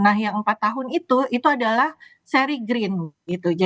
nah yang empat tahun itu itu adalah seri green gitu